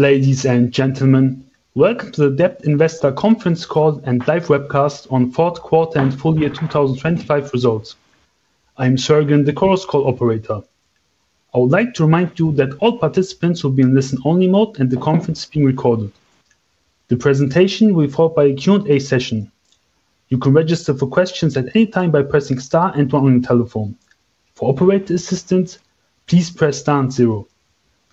Ladies and gentlemen, welcome to the ams OSRAM Investor Conference Call and Live Webcast on fourth quarter and full year 2025 results. I'm Jürgen, the call operator. I would like to remind you that all participants will be in listen-only mode and the conference is being recorded. The presentation will follow by a Q&A session. You can register for questions at any time by pressing star and 1 on your telephone. For operator assistance, please press star and 0.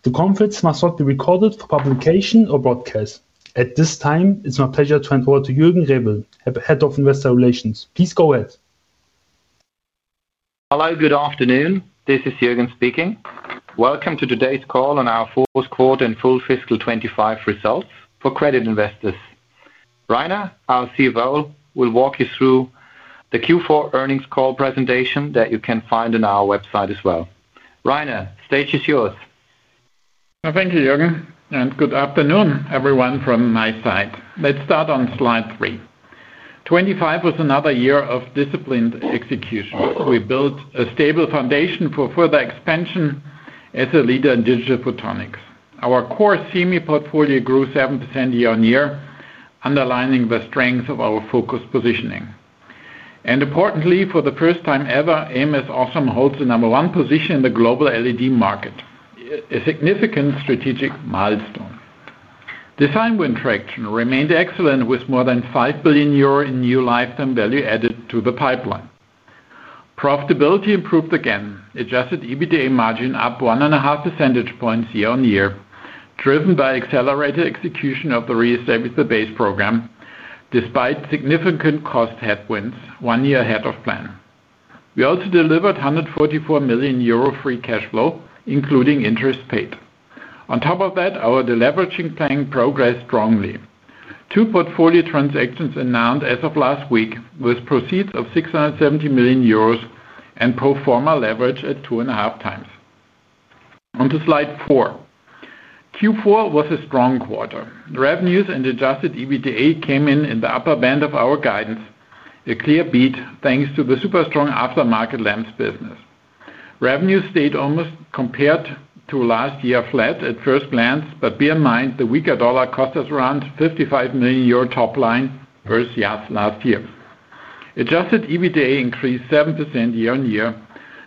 The conference must not be recorded for publication or broadcast. At this time, it's my pleasure to hand over to Jürgen Rebel, Head of Investor Relations. Please go ahead. Hello, good afternoon. This is Jürgen speaking. Welcome to today's call on our 4th quarter and full fiscal 2025 results for credit investors. Rainer, our CFO, will walk you through the Q4 earnings call presentation that you can find on our website as well. Rainer, stage is yours. Thank you, Jürgen. Good afternoon, everyone, from my side. Let's start on slide 3. 2025 was another year of disciplined execution. We built a stable foundation for further expansion as a leader in digital photonics. Our core semiconductor portfolio grew 7% year-over-year, underlining the strength of our focused positioning. Importantly, for the first time ever, ams OSRAM holds the number one position in the global LED market, a significant strategic milestone. Design win traction remained excellent with more than 5 billion euro in new lifetime value added to the pipeline. Profitability improved again. Adjusted EBITDA margin up 1.5 percentage points year-over-year, driven by accelerated execution of the Re-establish the Base program despite significant cost headwinds one year ahead of plan. We also delivered 144 million euro free cash flow, including interest paid. On top of that, our deleveraging plan progressed strongly. Two portfolio transactions announced as of last week with proceeds of 670 million euros and pro forma leverage at 2.5 times. Onto slide 4. Q4 was a strong quarter. Revenues and adjusted EBITDA came in in the upper band of our guidance, a clear beat thanks to the super strong aftermarket lamps business. Revenues stayed almost compared to last year flat at first glance, but bear in mind the weaker US dollar cost us around 55 million euro top line versus last year. Adjusted EBITDA increased 7% year-on-year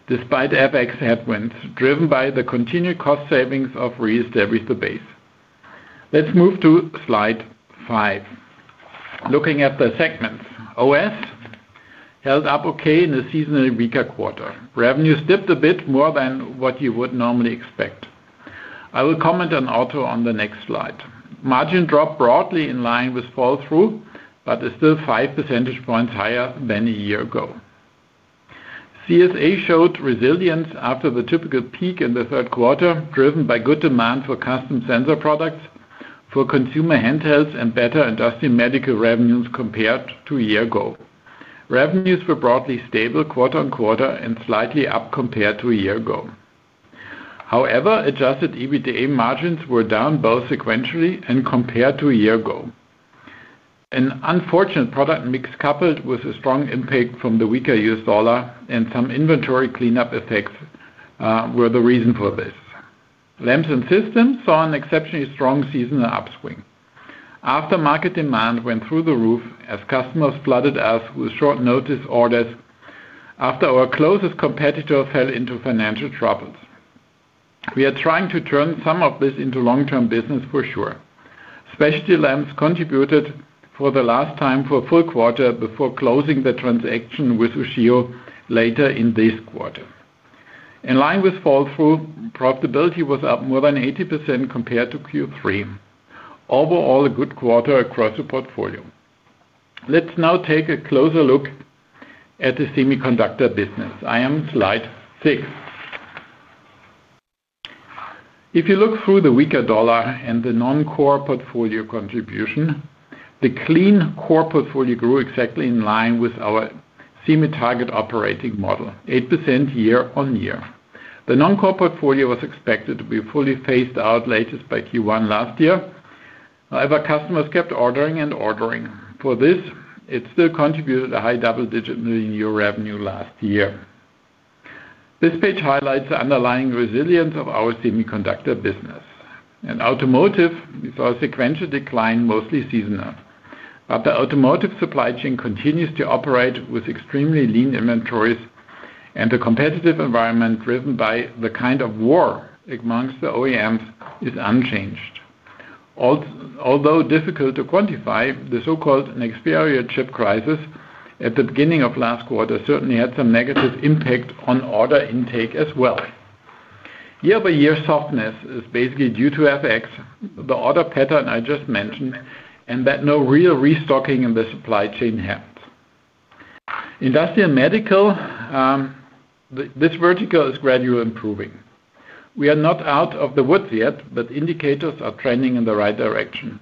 despite FX headwinds driven by the continued cost savings of Re-establish the Base. Let's move to slide 5. Looking at the segments, OS held up okay in a seasonally weaker quarter. Revenues dipped a bit more than what you would normally expect. I will comment on Automotive on the next slide. Margin dropped broadly in line with fall-through, but is still 5 percentage points higher than a year ago. CSA showed resilience after the typical peak in the third quarter, driven by good demand for custom sensor products for consumer handhelds and better Industrial & Medical revenues compared to a year ago. Revenues were broadly stable quarter-on-quarter and slightly up compared to a year ago. However, adjusted EBITDA margins were down both sequentially and compared to a year ago. An unfortunate product mix coupled with a strong impact from the weaker US dollar and some inventory cleanup effects were the reason for this. Lamps & Systems saw an exceptionally strong seasonal upswing. Aftermarket demand went through the roof as customers flooded us with short-notice orders after our closest competitor fell into financial troubles. We are trying to turn some of this into long-term business for sure. Specialty lamps contributed for the last time for a full quarter before closing the transaction with Ushio later in this quarter. In line with flow-through, profitability was up more than 80% compared to Q3. Overall, a good quarter across the portfolio. Let's now take a closer look at the semiconductor business. I'm on slide 6. If you look through the weaker US dollar and the non-core portfolio contribution, the clean core portfolio grew exactly in line with our semiconductor target operating model, 8% year-on-year. The non-core portfolio was expected to be fully phased out latest by Q1 last year. However, customers kept ordering and ordering. For this, it still contributed a high double-digit million EUR revenue last year. This page highlights the underlying resilience of our semiconductor business. In automotive, we saw a sequential decline, mostly seasonal, but the automotive supply chain continues to operate with extremely lean inventories and a competitive environment driven by the kind of war amongst the OEMs is unchanged. Although difficult to quantify, the so-called Nexperia chip crisis at the beginning of last quarter certainly had some negative impact on order intake as well. Year-over-year softness is basically due to FX, the order pattern I just mentioned, and that no real restocking in the supply chain happens. Industrial, medical, this vertical is gradually improving. We are not out of the woods yet, but indicators are trending in the right direction.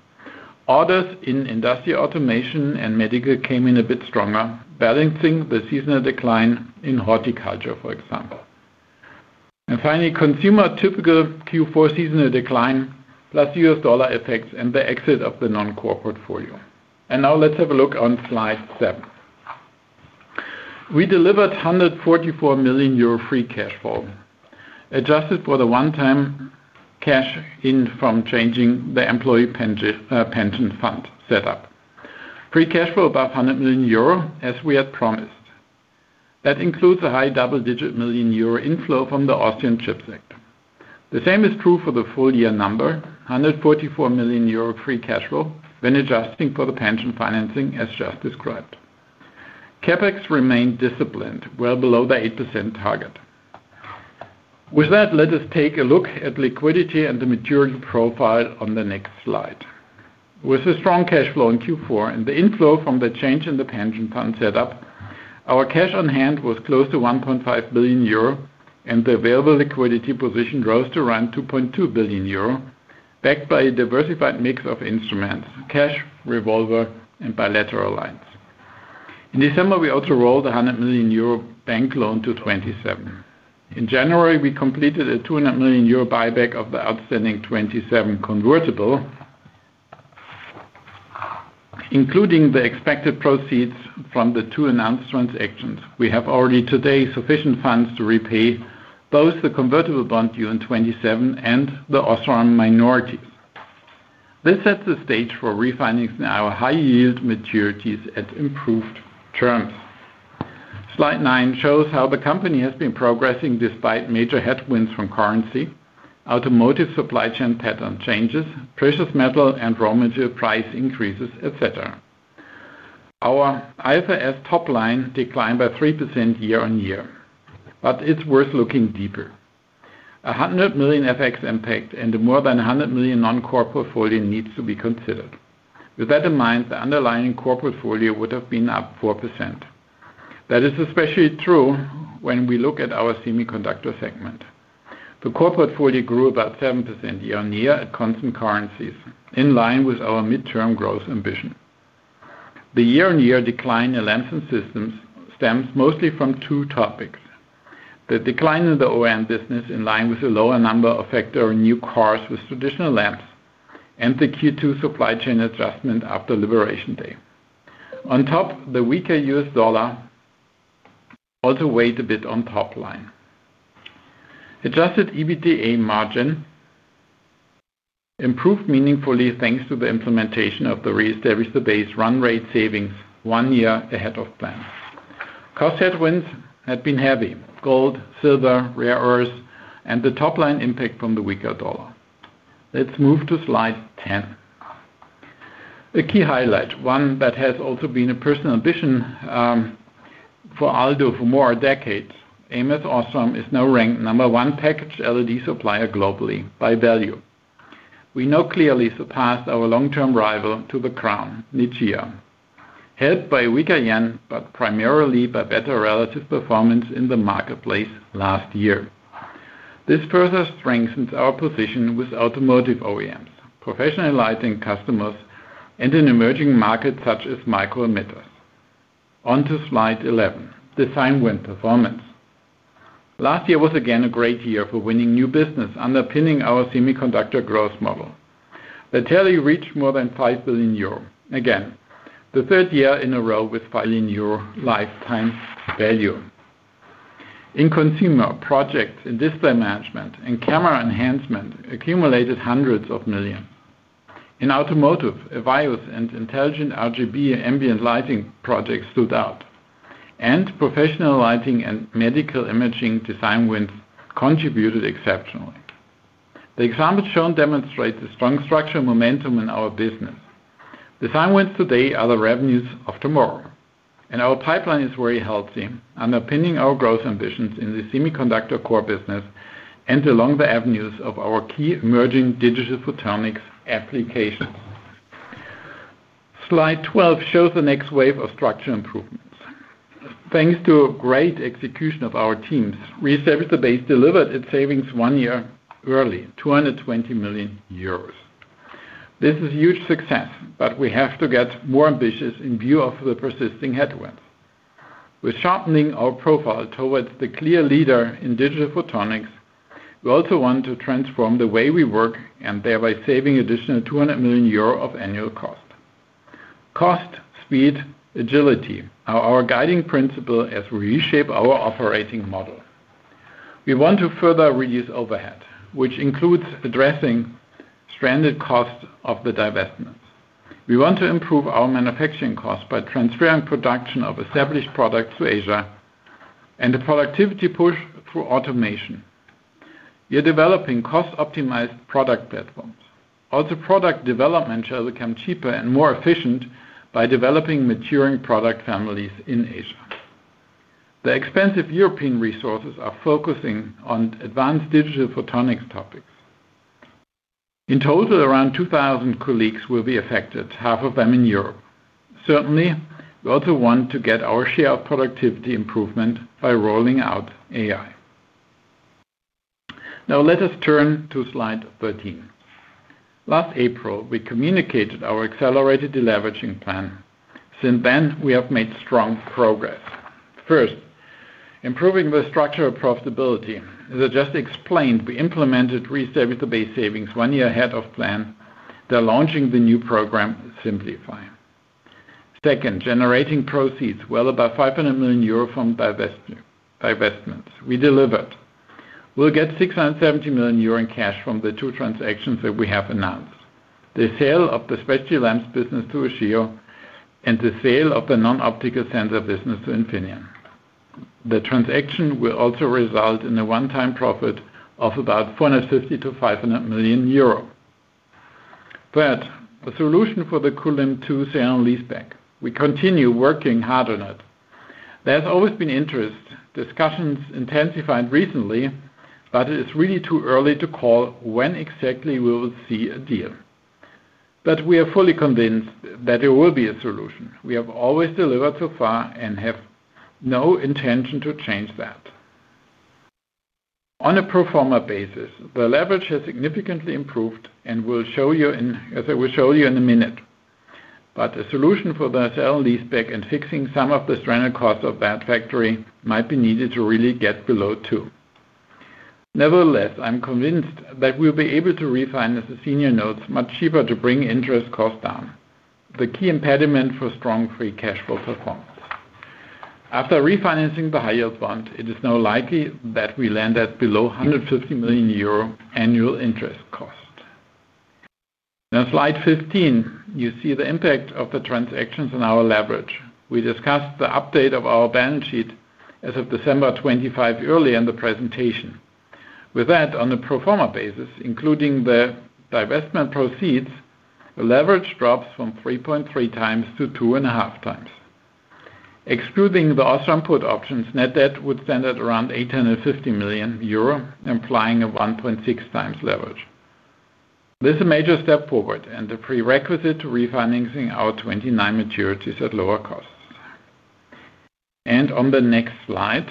Orders in industrial automation and medical came in a bit stronger, balancing the seasonal decline in horticulture, for example. And finally, consumer, typical Q4 seasonal decline plus US dollar effects and the exit of the non-core portfolio. Now let's have a look on slide 7. We delivered 144 million euro free cash flow, adjusted for the one-time cash in from changing the employee pension fund setup. Free cash flow above 100 million euro as we had promised. That includes a high double-digit million EUR inflow from the Austrian chip sector. The same is true for the full year number, 144 million euro free cash flow when adjusting for the pension financing as just described. CapEx remained disciplined, well below the 8% target. With that, let us take a look at liquidity and the maturity profile on the next slide. With a strong cash flow in Q4 and the inflow from the change in the pension fund setup, our cash on hand was close to 1.5 billion euro and the available liquidity position rose to around 2.2 billion euro, backed by a diversified mix of instruments, cash, revolver, and bilateral lines. In December, we also rolled a 100 million euro bank loan to 2027. In January, we completed a 200 million euro buyback of the outstanding 2027 convertible, including the expected proceeds from the two announced transactions. We have already today sufficient funds to repay both the convertible bond due in 2027 and the OSRAM minorities. This sets the stage for refinancing our high-yield maturities at improved terms. Slide 9 shows how the company has been progressing despite major headwinds from currency, automotive supply chain pattern changes, precious metal and raw material price increases, etc. Our IFRS top line declined by 3% year-on-year, but it's worth looking deeper. A 100 million FX impact and the more than 100 million non-core portfolio needs to be considered. With that in mind, the underlying core portfolio would have been up 4%. That is especially true when we look at our semiconductor segment. The core portfolio grew about 7% year-on-year at constant currencies, in line with our mid-term growth ambition. The year-on-year decline in lamps and systems stems mostly from two topics: the decline in the OEM business in line with a lower number of factory new cars with traditional lamps and the Q2 supply chain adjustment after Labor Day. On top, the weaker U.S. dollar also weighed a bit on top line. Adjusted EBITDA margin improved meaningfully thanks to the implementation of the Re-establish the Base run rate savings one year ahead of plan. Cost headwinds had been heavy: gold, silver, rare earths, and the top line impact from the weaker dollar. Let's move to Slide 10. A key highlight, one that has also been a personal ambition for Aldo for more decades, ams OSRAM is now ranked number one package LED supplier globally by value. We now clearly surpassed our long-term rival to the crown, Nichia, helped by a weaker yen, but primarily by better relative performance in the marketplace last year. This further strengthens our position with automotive OEMs, professional lighting customers, and an emerging market such as micro-emitters. Onto slide 11, design win performance. Last year was again a great year for winning new business underpinning our semiconductor growth model. The tally reached more than 5 billion euro again, the third year in a row with million euro lifetime value. In consumer projects, in display management, and camera enhancement, accumulated hundreds of millions EUR. In automotive, EVIYOS and intelligent RGB ambient lighting projects stood out, and professional lighting and medical imaging design wins contributed exceptionally. The examples shown demonstrate the strong structure momentum in our business. Design wins today are the revenues of tomorrow. Our pipeline is very healthy, underpinning our growth ambitions in the semiconductor core business and along the avenues of our key emerging digital photonics applications. Slide 12 shows the next wave of structure improvements. Thanks to great execution of our teams, Re-establish the Base delivered its savings one year early, 220 million euros. This is a huge success, but we have to get more ambitious in view of the persisting headwinds. With sharpening our profile towards the clear leader in digital photonics, we also want to transform the way we work and thereby saving additional 200 million euro of annual cost. Cost, speed, agility are our guiding principle as we reshape our operating model. We want to further reduce overhead, which includes addressing stranded costs of the divestments. We want to improve our manufacturing costs by transferring production of established products to Asia and the productivity push through automation. We are developing cost-optimized product platforms. Also, product development shall become cheaper and more efficient by developing maturing product families in Asia. The expensive European resources are focusing on advanced digital photonics topics. In total, around 2,000 colleagues will be affected, half of them in Europe. Certainly, we also want to get our share of productivity improvement by rolling out AI. Now, let us turn to slide 13. Last April, we communicated our accelerated deleveraging plan. Since then, we have made strong progress. First, improving the structure of profitability. As I just explained, we implemented Re-establish the Base savings one year ahead of plan. They're launching the new program, Simplify. Second, generating proceeds well above 500 million euro from divestments. We delivered. We'll get 670 million euro in cash from the two transactions that we have announced: the sale of the specialty lamps business to Ushio and the sale of the non-optical sensor business to Infineon. The transaction will also result in a one-time profit of about 450 million-500 million euro. Third, a solution for the Kulim II sale and leaseback. We continue working hard on it. There has always been interest, discussions intensified recently, but it is really too early to call when exactly we will see a deal. But we are fully convinced that there will be a solution. We have always delivered so far and have no intention to change that. On a pro forma basis, the leverage has significantly improved and as I will show you in a minute. But a solution for the sale and leaseback and fixing some of the stranded costs of that factory might be needed to really get below 2. Nevertheless, I'm convinced that we'll be able to refinance, as senior notes, much cheaper to bring interest costs down, the key impediment for strong free cash flow performance. After refinancing the high-yield bond, it is now likely that we land at below 150 million euro annual interest costs. Now, slide 15, you see the impact of the transactions on our leverage. We discussed the update of our balance sheet as of December 25 earlier in the presentation. With that, on a pro forma basis, including the divestment proceeds, the leverage drops from 3.3x to 2.5x. Excluding the OSRAM put options, net debt would stand at around 850 million euro, implying a 1.6x leverage. This is a major step forward and a prerequisite to refinancing our 29 maturities at lower costs. On the next slide,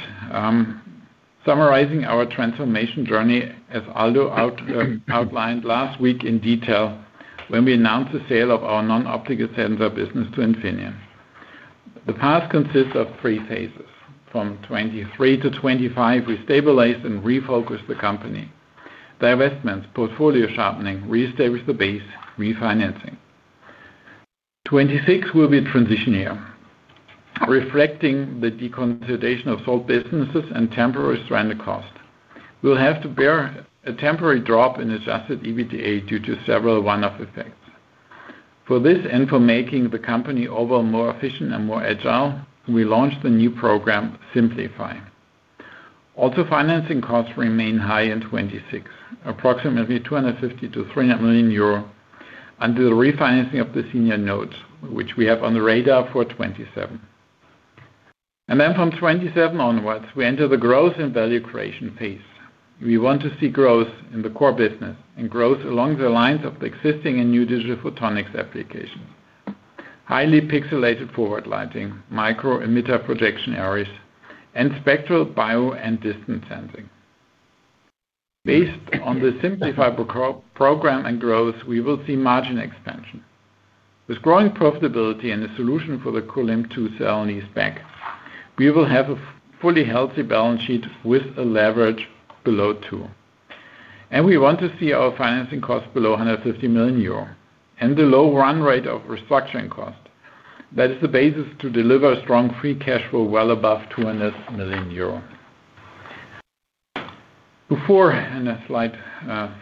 summarizing our transformation journey as Aldo outlined last week in detail when we announced the sale of our non-optical sensor business to Infineon. The path consists of three phases. From 2023 to 2025, we stabilized and refocused the company: divestments, portfolio sharpening, Re-establish the Base, refinancing. 2026 will be a transition year, reflecting the deconsolidation of sold businesses and temporary stranded costs. We'll have to bear a temporary drop in adjusted EBITDA due to several one-off effects. For this and for making the company overall more efficient and more agile, we launched the new program, Simplify. Also, financing costs remain high in 2026, approximately €250-€300 million under the refinancing of the senior notes, which we have on the radar for 2027. Then from 2027 onwards, we enter the growth and value creation phase. We want to see growth in the core business and growth along the lines of the existing and new digital photonics applications: highly pixelated forward lighting, micro-emitter projection areas, and spectral bio and distance sensing. Based on the Simplify program and growth, we will see margin expansion. With growing profitability and a solution for the Kulim II sale and leaseback, we will have a fully healthy balance sheet with a leverage below 2. We want to see our financing costs below 150 million euro and the low run rate of restructuring cost. That is the basis to deliver strong free cash flow well above 200 million euro. we go to slide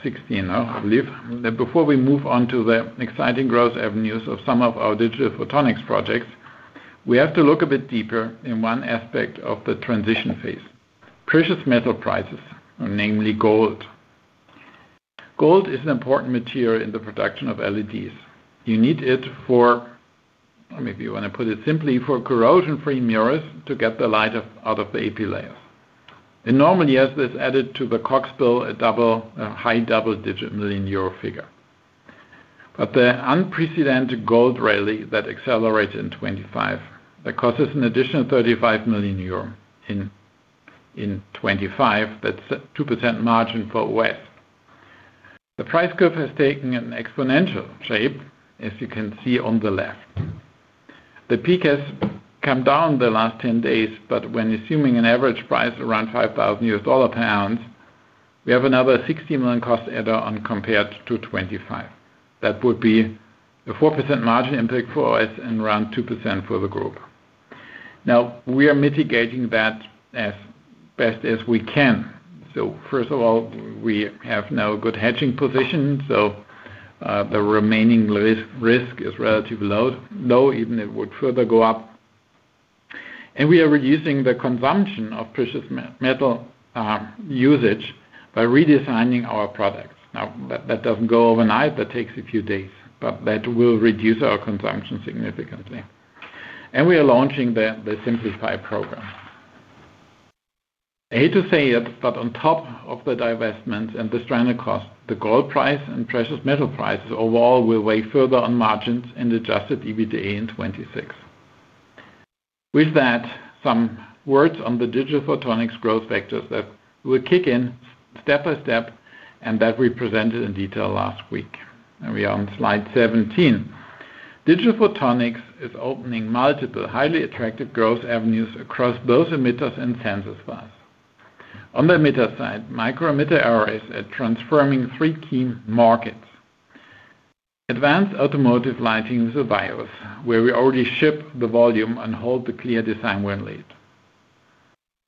16 now, I believe, before we move on to the exciting growth avenues of some of our digital photonics projects, we have to look a bit deeper in one aspect of the transition phase: precious metal prices, namely gold. Gold is an important material in the production of LEDs. You need it for or maybe you want to put it simply for corrosion-free mirrors to get the light out of the epi layers. And normally, as this added to the cost bill, a high double-digit million EUR figure. But the unprecedented gold rally that accelerated in 2025 that causes an additional EUR 35 million in 2025, that's 2% margin for OS. The price curve has taken an exponential shape, as you can see on the left. The peak has come down the last 10 days, but when assuming an average price around $5,000 per ounce, we have another 60 million cost add-on compared to 2025. That would be a 4% margin impact for us and around 2% for the group. Now, we are mitigating that as best as we can. So first of all, we have now a good hedging position, so the remaining risk is relatively low, even it would further go up. And we are reducing the consumption of precious metal usage by redesigning our products. Now, that doesn't go overnight. That takes a few days, but that will reduce our consumption significantly. And we are launching the Simplify program. I hate to say it, but on top of the divestments and the stranded costs, the gold price and precious metal prices overall will weigh further on margins and adjusted EBITDA in 2026. With that, some words on the digital photonics growth vectors that will kick in step by step and that we presented in detail last week. We are on slide 17. Digital photonics is opening multiple, highly attractive growth avenues across both emitters and sensors for us. On the emitter side, micro-emitter arrays are transforming three key markets: advanced automotive lighting with EVIYOS, where we already ship the volume and hold the clear design-win lead.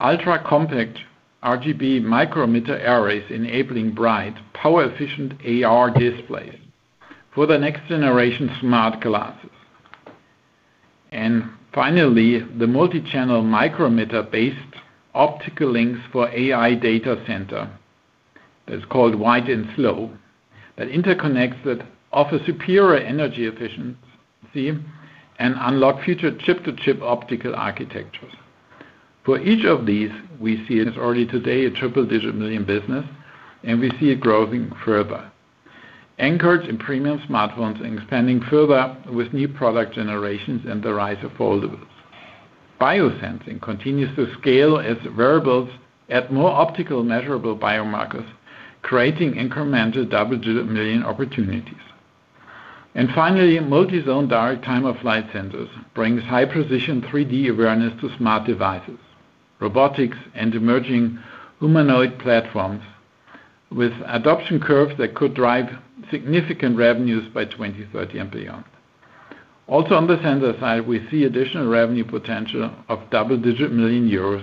Ultra-compact RGB micro-emitter arrays enabling bright, power-efficient AR displays for the next-generation smart glasses. And finally, the multi-channel micro-emitter-based optical links for AI data centers. That's called wide and slow. That interconnects it, offers superior energy efficiency, and unlocks future chip-to-chip optical architectures. For each of these, we see it as already today a triple-digit million EUR business, and we see it growing further, anchored in premium smartphones and expanding further with new product generations and the rise of foldables. Biosensing continues to scale as wearables add more optical measurable biomarkers, creating incremental double-digit million EUR opportunities. And finally, multi-zone direct-time-of-flight sensors bring high-precision 3D awareness to smart devices, robotics, and emerging humanoid platforms with adoption curves that could drive significant revenues by 2030 and beyond. Also, on the sensor side, we see additional revenue potential of double-digit million EUR,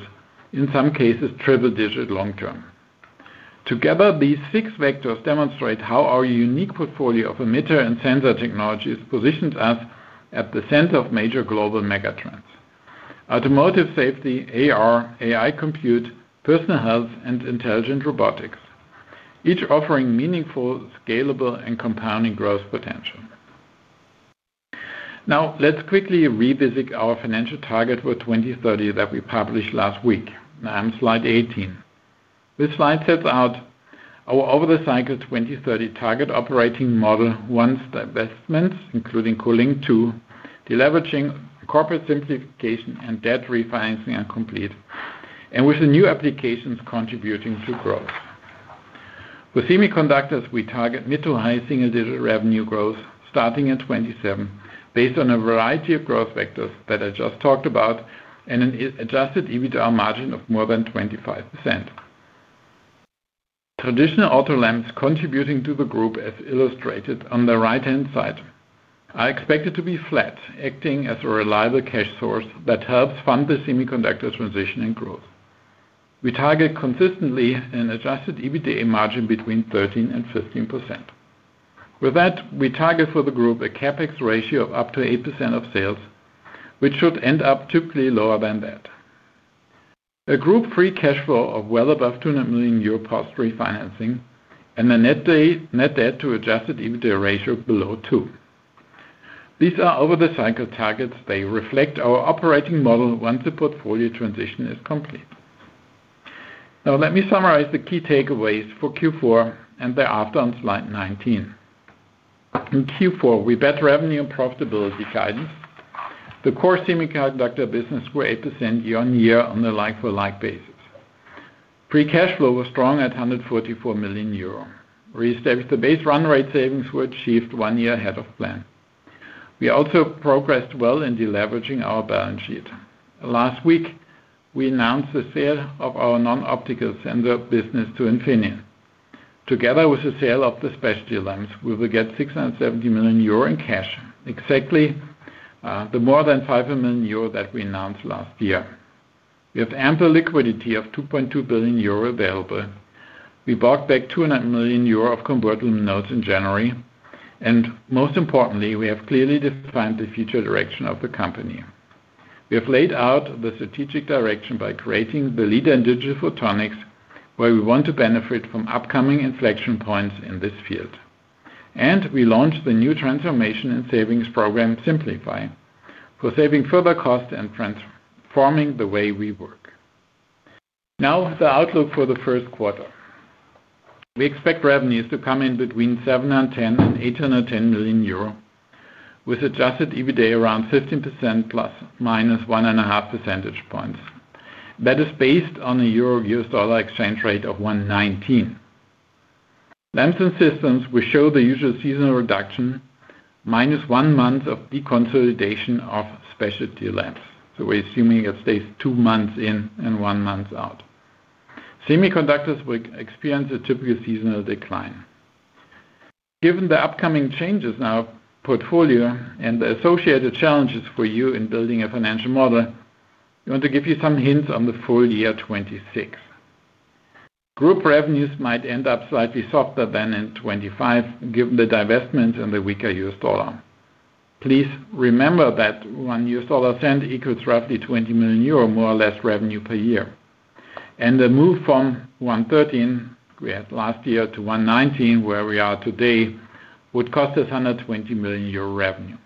in some cases, triple-digit long term. Together, these six vectors demonstrate how our unique portfolio of emitter and sensor technologies positions us at the center of major global megatrends: automotive safety, AR, AI compute, personal health, and intelligent robotics, each offering meaningful, scalable, and compounding growth potential. Now, let's quickly revisit our financial target for 2030 that we published last week. Now, I'm slide 18. This slide sets out our over-the-cycle 2030 target operating model: once divestments, including Kulim II, deleveraging, corporate simplification, and debt refinancing are complete, and with the new applications contributing to growth. For semiconductors, we target mid to high single-digit revenue growth starting in 2027 based on a variety of growth vectors that I just talked about and an adjusted EBITDA margin of more than 25%. Traditional auto lamps contributing to the group, as illustrated on the right-hand side. I expect it to be flat, acting as a reliable cash source that helps fund the semiconductor transition and growth. We target consistently an adjusted EBITDA margin between 13%-15%. With that, we target for the group a CapEx ratio of up to 8% of sales, which should end up typically lower than that, a group free cash flow of well above 200 million euro cost refinancing, and a net debt to adjusted EBITDA ratio below 2. These are over-the-cycle targets. They reflect our operating model once the portfolio transition is complete. Now, let me summarize the key takeaways for Q4 and thereafter on slide 19. In Q4, we beat revenue and profitability guidance. The core semiconductor business grew 8% year-on-year on a like-for-like basis. Free cash flow was strong at 144 million euro. Re-establish the Base run rate savings were achieved 1 year ahead of plan. We also progressed well in deleveraging our balance sheet. Last week, we announced the sale of our non-optical sensor business to Infineon. Together with the sale of the specialty lamps, we will get 670 million euro in cash, exactly the more than 500 million euro that we announced last year. We have ample liquidity of 2.2 billion euro available. We bought back 200 million euro of convertible notes in January. And most importantly, we have clearly defined the future direction of the company. We have laid out the strategic direction by creating the leader in digital photonics, where we want to benefit from upcoming inflection points in this field. And we launched the new transformation and savings program, Simplify, for saving further costs and transforming the way we work. Now, the outlook for the first quarter. We expect revenues to come in between 710 million and 810 million euro with adjusted EBITDA around 15% ±1.5 percentage points. That is based on a euro/US dollar exchange rate of 1.19. Lamps & Systems will show the usual seasonal reduction, minus 1 month of deconsolidation of specialty lamps. So we're assuming it stays 2 months in and 1 month out. Semiconductors will experience a typical seasonal decline. Given the upcoming changes in our portfolio and the associated challenges for you in building a financial model, I want to give you some hints on the full year 2026. Group revenues might end up slightly softer than in 2025 given the divestments and the weaker US dollar. Please remember that 1 US dollar cent equals roughly 20 million euro more or less revenue per year. And the move from 1.13 we had last year to 1.19 where we are today would cost us 120 million euro revenue.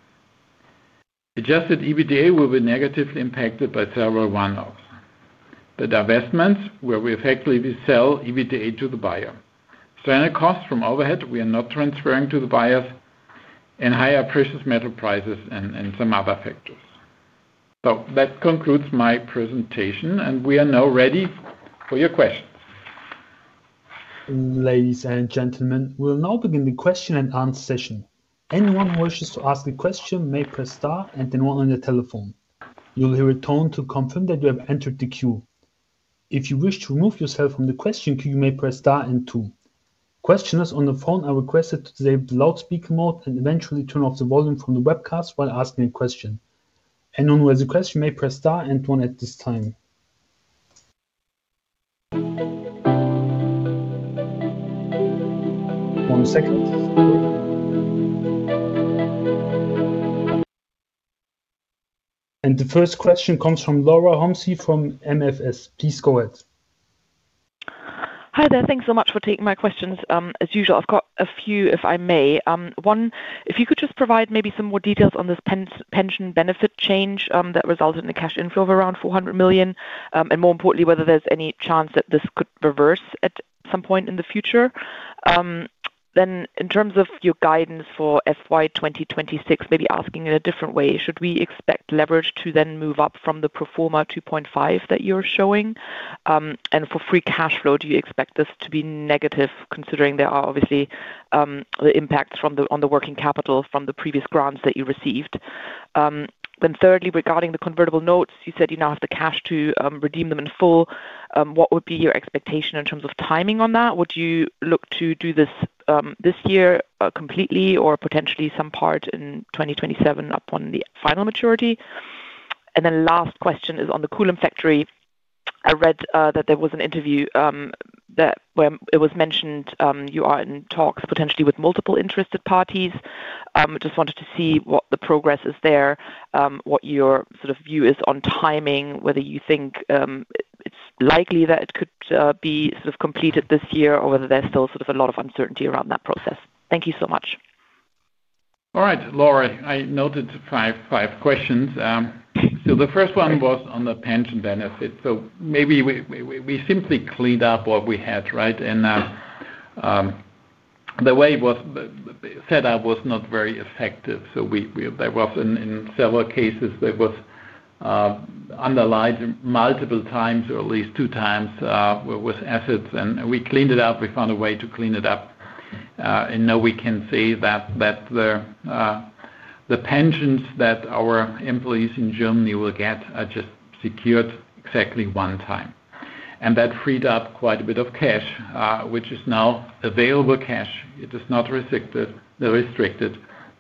Adjusted EBITDA will be negatively impacted by several one-offs: the divestments, where we effectively sell EBITDA to the buyer, stranded costs from overhead we are not transferring to the buyers, and higher precious metal prices and some other factors. So that concludes my presentation, and we are now ready for your questions. Ladies and gentlemen, we will now begin the question-and-answer session. Anyone who wishes to ask a question may press star and 1 on the telephone. You'll hear a tone to confirm that you have entered the queue. If you wish to remove yourself from the question queue, you may press star and two. Questioners on the phone are requested to stay with loudspeaker mode and eventually turn off the volume from the webcast while asking a question. Anyone who has a question may press star and one at this time. One second. The first question comes from Laura Homsy from MFS. Please go ahead. Hi there. Thanks so much for taking my questions. As usual, I've got a few, if I may. One, if you could just provide maybe some more details on this pension benefit change that resulted in a cash inflow of around 400 million and more importantly, whether there's any chance that this could reverse at some point in the future. Then in terms of your guidance for FY 2026, maybe asking in a different way, should we expect leverage to then move up from the pro forma 2.5 that you're showing? And for free cash flow, do you expect this to be negative considering there are obviously the impacts on the working capital from the previous grants that you received? Then thirdly, regarding the convertible notes, you said you now have the cash to redeem them in full. What would be your expectation in terms of timing on that? Would you look to do this this year completely or potentially some part in 2027 upon the final maturity? And then last question is on the Kulim factory. I read that there was an interview where it was mentioned you are in talks potentially with multiple interested parties. Just wanted to see what the progress is there, what your sort of view is on timing, whether you think it's likely that it could be sort of completed this year or whether there's still sort of a lot of uncertainty around that process. Thank you so much. All right, Laura. I noted five questions. So the first one was on the pension benefit. So maybe we simply cleaned up what we had, right? And the way it was set up was not very effective. So there was, in several cases, there was underlined multiple times or at least two times with assets. And we cleaned it up. We found a way to clean it up. And now we can say that the pensions that our employees in Germany will get are just secured exactly one time. And that freed up quite a bit of cash, which is now available cash. It is not restricted,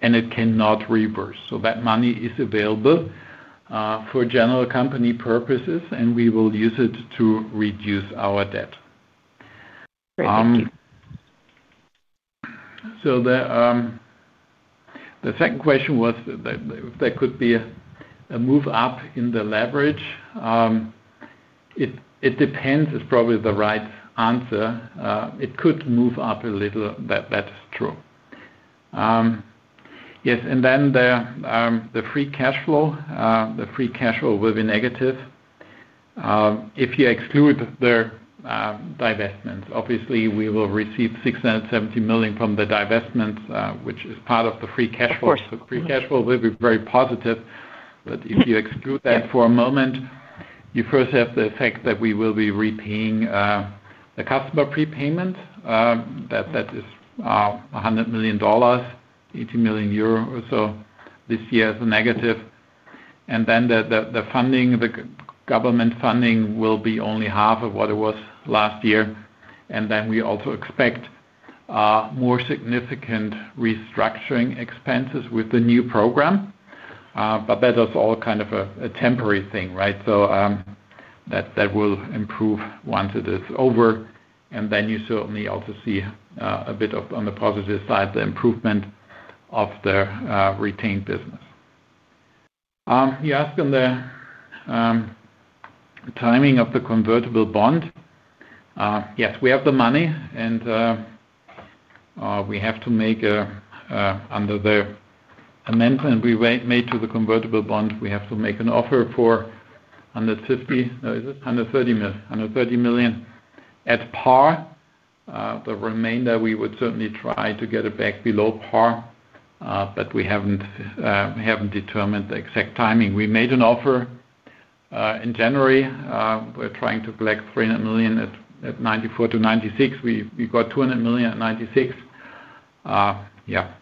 and it cannot reverse. So that money is available for general company purposes, and we will use it to reduce our debt. Great. Thank you. So the second question was if there could be a move up in the leverage. It depends. It's probably the right answer. It could move up a little. That's true. Yes. And then the free cash flow, the free cash flow will be negative if you exclude the divestments. Obviously, we will receive 670 million from the divestments, which is part of the free cash flow. So free cash flow will be very positive. But if you exclude that for a moment, you first have the effect that we will be repaying the customer prepayment. That is $100 million, 80 million euro or so this year as a negative. And then the government funding will be only half of what it was last year. And then we also expect more significant restructuring expenses with the new program. But that is all kind of a temporary thing, right? So that will improve once it is over. And then you certainly also see a bit on the positive side, the improvement of the retained business. You asked on the timing of the convertible bond. Yes, we have the money, and we have to make under the amendment we made to the convertible bond, we have to make an offer for 150, no, is it 130 million at par. The remainder, we would certainly try to get it back below par, but we haven't determined the exact timing. We made an offer in January. We're trying to collect 300 million at 94-96. We got 200 million at 96. Yeah.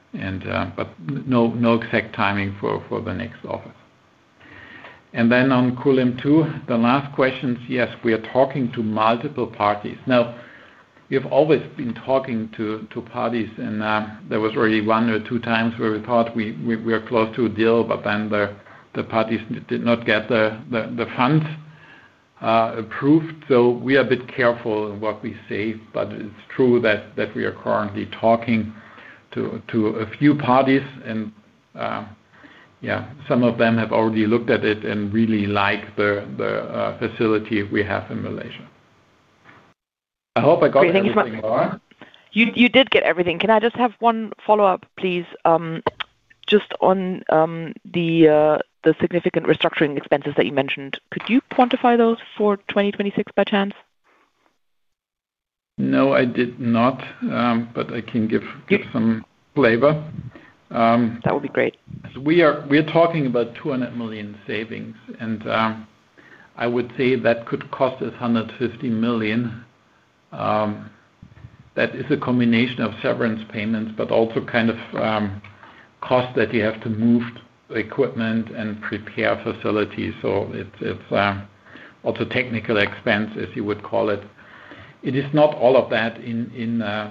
But no exact timing for the next offer. And then on Kulim II, the last questions, yes, we are talking to multiple parties. Now, we have always been talking to parties, and there was already one or two times where we thought we were close to a deal, but then the parties did not get the funds approved. So we are a bit careful in what we say, but it's true that we are currently talking to a few parties. And yeah, some of them have already looked at it and really like the facility we have in Malaysia. I hope I got everything, Laura. Great. Thank you so much. You did get everything. Can I just have one follow-up, please? Just on the significant restructuring expenses that you mentioned, could you quantify those for 2026 by chance? No, I did not, but I can give some flavor. That would be great. We are talking about 200 million savings. And I would say that could cost us 150 million. That is a combination of severance payments but also kind of cost that you have to move equipment and prepare facilities. So it's also technical expense, as you would call it. It is not all of that in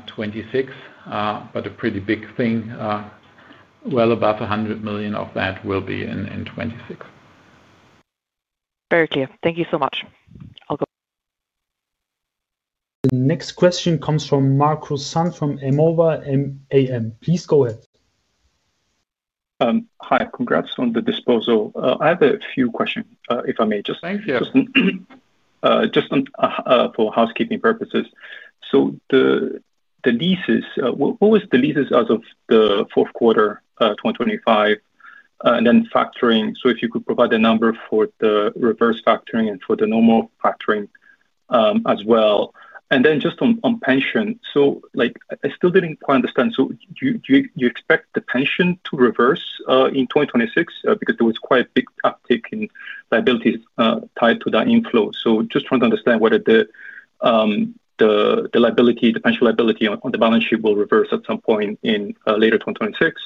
2026 but a pretty big thing. Well above 100 million of that will be in 2026. Very clear. Thank you so much. I'll go ahead. The next question comes from Marco Sun from Amundi AM. Please go ahead. Hi. Congrats on the disposal. I have a few questions, if I may, just for housekeeping purposes. So what was the leases as of the fourth quarter 2025? And then factoring. So if you could provide a number for the reverse factoring and for the normal factoring as well. And then just on pension. So I still didn't quite understand. So do you expect the pension to reverse in 2026 because there was quite a big uptick in liabilities tied to that inflow? So just trying to understand whether the pension liability on the balance sheet will reverse at some point in later 2026.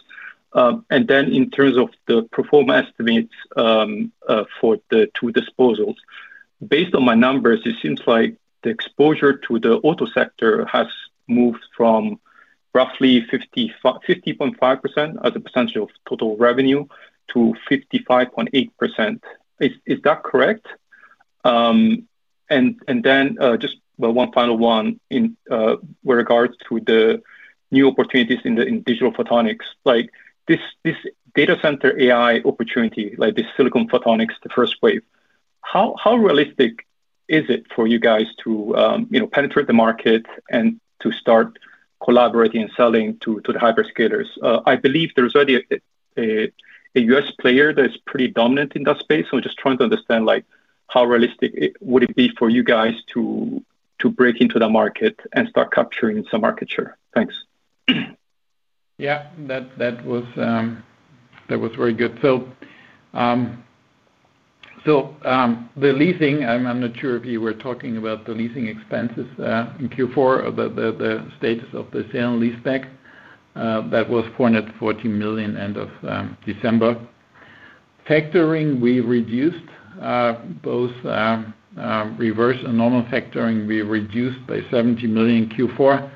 And then in terms of the pro forma estimates for the two disposals, based on my numbers, it seems like the exposure to the auto sector has moved from roughly 50.5% as a percentage of total revenue to 55.8%. Is that correct? And then just one final one with regards to the new opportunities in digital photonics. This data center AI opportunity, this silicon photonics, the first wave, how realistic is it for you guys to penetrate the market and to start collaborating and selling to the hyperscalers? I believe there's already a U.S. player that is pretty dominant in that space. So I'm just trying to understand how realistic would it be for you guys to break into the market and start capturing some market share? Thanks. Yeah. That was very good. So the leasing, I'm not sure if you were talking about the leasing expenses in Q4, the status of the sale and leaseback. That was 440 million end of December. Factoring, we reduced. Both reverse and normal factoring, we reduced by 70 million Q4.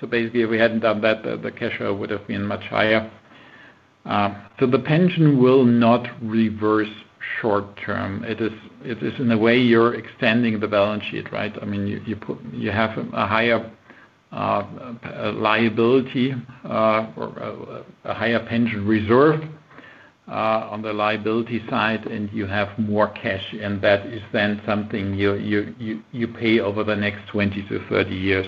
So basically, if we hadn't done that, the cash flow would have been much higher. So the pension will not reverse short-term. It is, in a way, you're extending the balance sheet, right? I mean, you have a higher liability or a higher pension reserve on the liability side, and you have more cash. And that is then something you pay over the next 20 to 30 years.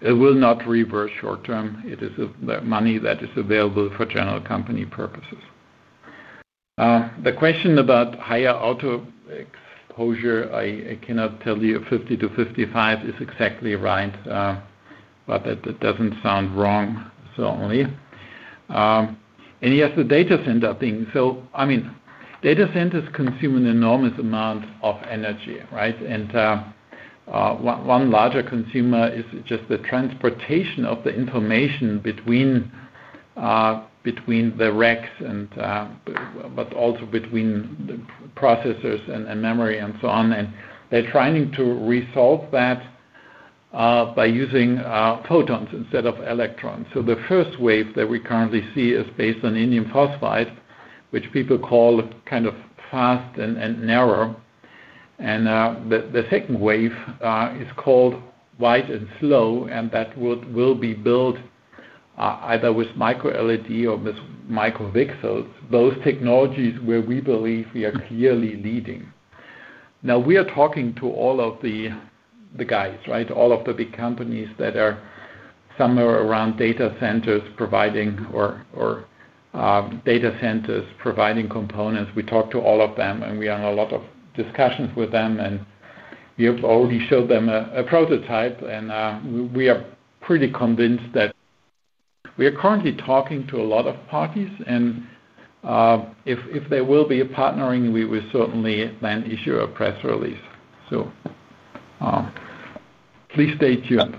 It will not reverse short-term. It is money that is available for general company purposes. The question about higher auto exposure, I cannot tell you if 50-55 is exactly right, but it doesn't sound wrong so only. And yes, the data center thing. So I mean, data centers consume an enormous amount of energy, right? And one larger consumer is just the transportation of the information between the racks but also between the processors and memory and so on. And they're trying to resolve that by using photons instead of electrons. So the first wave that we currently see is based on indium phosphide, which people call kind of fast and narrow. And the second wave is called wide and slow, and that will be built either with microLED or with micro-VCSELs, both technologies where we believe we are clearly leading. Now, we are talking to all of the guys, right, all of the big companies that are somewhere around data centers providing or data centers providing components. We talk to all of them, and we are in a lot of discussions with them. And we have already showed them a prototype. And we are pretty convinced that we are currently talking to a lot of parties. And if there will be a partnering, we will certainly then issue a press release. So please stay tuned.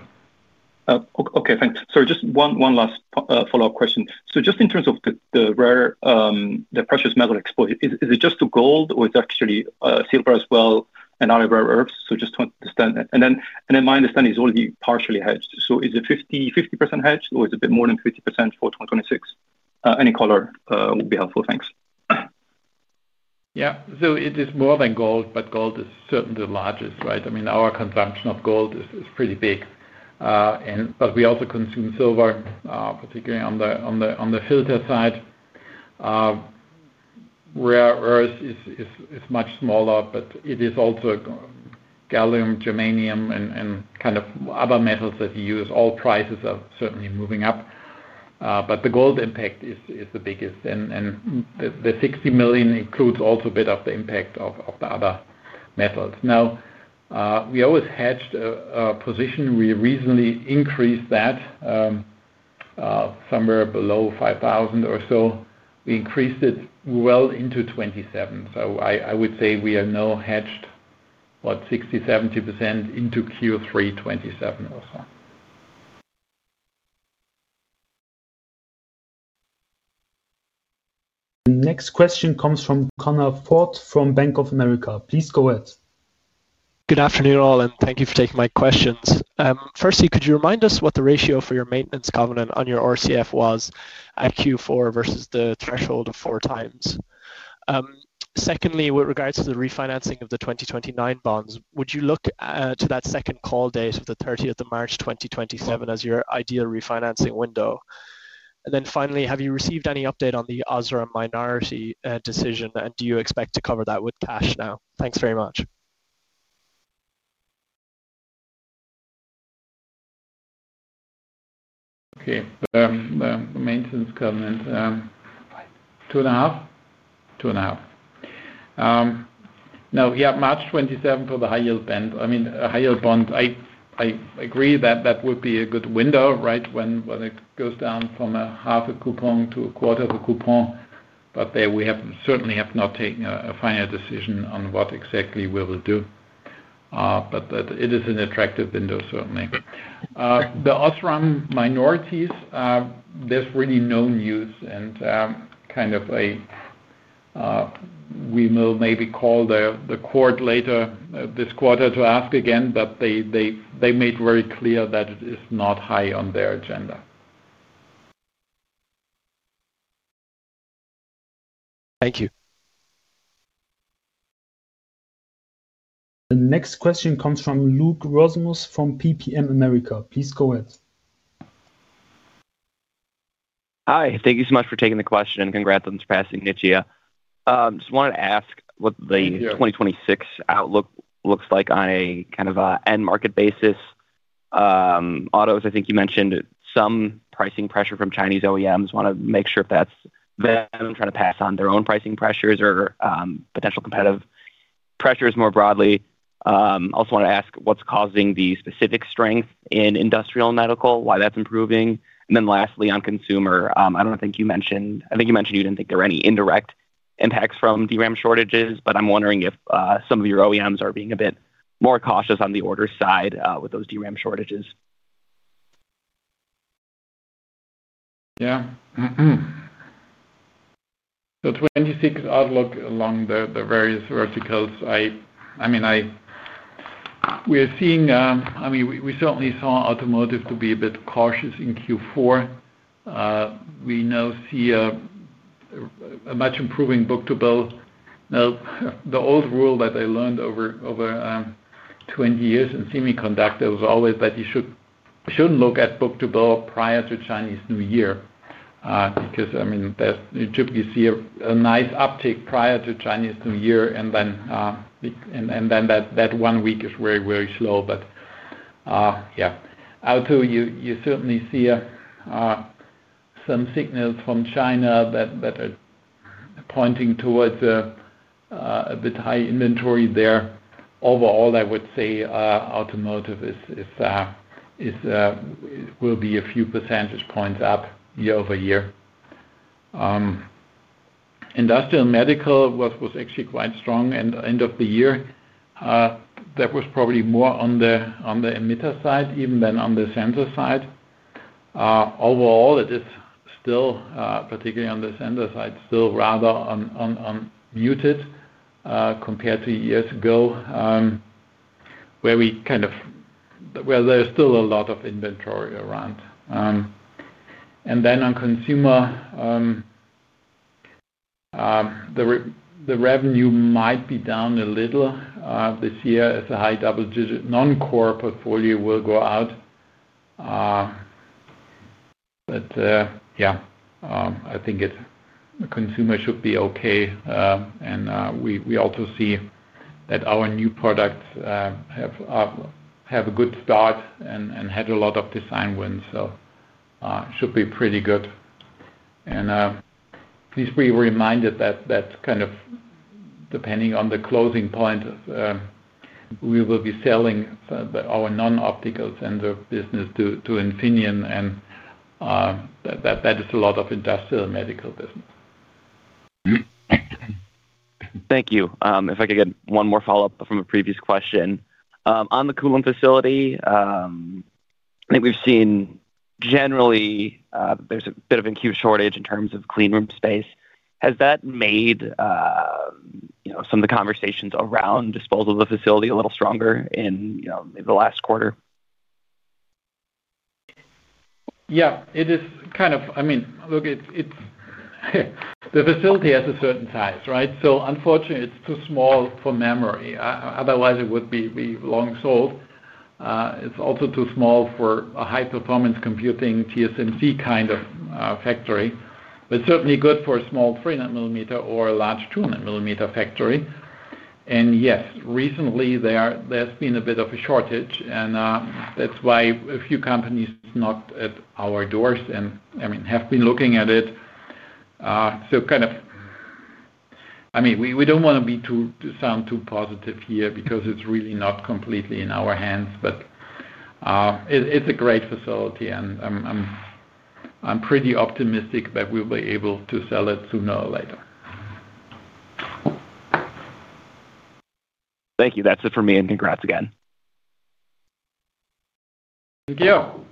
Okay. Thanks. Sorry, just one last follow-up question. So just in terms of the precious metal exposure, is it just to gold, or is it actually silver as well and other rare earths? So just to understand. And then my understanding is all of it partially hedged. So is it 50% hedged or is it a bit more than 50% for 2026? Any color would be helpful. Thanks. Yeah. So it is more than gold, but gold is certainly the largest, right? I mean, our consumption of gold is pretty big. But we also consume silver, particularly on the filter side. Rare earths is much smaller, but it is also gallium, germanium, and kind of other metals that you use. All prices are certainly moving up. But the gold impact is the biggest. And the 60 million includes also a bit of the impact of the other metals. Now, we always hedged a position. We recently increased that somewhere below 5,000 or so. We increased it well into 2027. So I would say we are now hedged, what, 60%-70% into Q3 2027 or so. The next question comes from Conor Forde from Bank of America. Please go ahead. Good afternoon, all, and thank you for taking my questions. Firstly, could you remind us what the ratio for your maintenance covenant on your RCF was at Q4 versus the threshold of 4 times? Secondly, with regards to the refinancing of the 2029 bonds, would you look to that second call date of the 30th of March 2027 as your ideal refinancing window? And then finally, have you received any update on the OSRAM minority decision, and do you expect to cover that with cash now? Thanks very much. Okay. The maintenance covenant, 2.5? 2.5. Now, yeah, March 2027 for the high-yield bond. I mean, high-yield bonds, I agree that that would be a good window, right, when it goes down from half a coupon to a quarter of a coupon. But there we certainly have not taken a final decision on what exactly we will do. But it is an attractive window, certainly. The OSRAM minorities, there's really no news. And kind of we will maybe call the court later this quarter to ask again, but they made very clear that it is not high on their agenda. Thank you. The next question comes from Luke Rasmussen from PPM America. Please go ahead. Hi. Thank you so much for taking the question, and congrats on surpassing Nichia. Just wanted to ask what the 2026 outlook looks like on a kind of end-market basis. Autos, I think you mentioned some pricing pressure from Chinese OEMs. Want to make sure if that's them trying to pass on their own pricing pressures or potential competitive pressures more broadly. Also want to ask what's causing the specific strength in industrial and medical, why that's improving. And then lastly, on consumer, I don't think you mentioned I think you mentioned you didn't think there were any indirect impacts from DRAM shortages, but I'm wondering if some of your OEMs are being a bit more cautious on the order side with those DRAM shortages. Yeah. The 2026 outlook along the various verticals, I mean, we are seeing I mean, we certainly saw automotive to be a bit cautious in Q4. We now see a much improving book-to-bill. Now, the old rule that I learned over 20 years in semiconductor was always that you shouldn't look at book-to-bill prior to Chinese New Year because, I mean, you typically see a nice uptick prior to Chinese New Year, and then that one week is very, very slow. But yeah. Auto, you certainly see some signals from China that are pointing towards a bit high inventory there. Overall, I would say automotive will be a few percentage points up year-over-year. Industrial and medical was actually quite strong at the end of the year. That was probably more on the emitter side even than on the sensor side. Overall, it is still, particularly on the sensor side, still rather muted compared to years ago where there's still a lot of inventory around. And then on consumer, the revenue might be down a little this year as a high double-digit non-core portfolio will go out. But yeah, I think consumer should be okay. And we also see that our new products have a good start and had a lot of design wins, so should be pretty good. And please be reminded that kind of depending on the closing point, we will be selling our non-optical sensor business to Infineon. That is a lot of industrial and medical business. Thank you. If I could get one more follow-up from a previous question. On the Kulim facility, I think we've seen generally there's a bit of a chip shortage in terms of clean room space. Has that made some of the conversations around disposal of the facility a little stronger in maybe the last quarter? Yeah. It is kind of I mean, look, the facility has a certain size, right? So unfortunately, it's too small for memory. Otherwise, it would be long sold. It's also too small for a high-performance computing TSMC kind of factory, but certainly good for a small 300-millimeter or a large 200-millimeter factory. And yes, recently, there's been a bit of a shortage. And that's why a few companies knocked at our doors and, I mean, have been looking at it. So kind of I mean, we don't want to sound too positive here because it's really not completely in our hands. But it's a great facility, and I'm pretty optimistic that we'll be able to sell it sooner or later. Thank you. That's it for me, and congrats again. Thank you.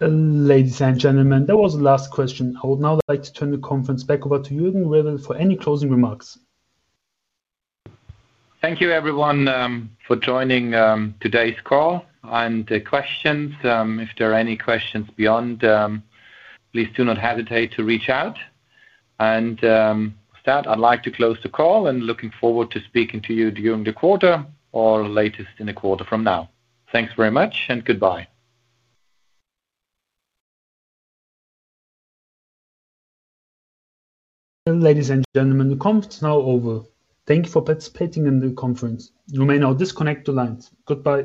Ladies and gentlemen, that was the last question. I would now like to turn the conference back over to Jürgen Rebel for any closing remarks. Thank you, everyone, for joining today's call. And if there are any questions beyond, please do not hesitate to reach out. And with that, I'd like to close the call and looking forward to speaking to you during the quarter or latest in a quarter from now. Thanks very much, and goodbye. Ladies and gentlemen, the conference is now over. Thank you for participating in the conference. You may now disconnect the lines. Goodbye.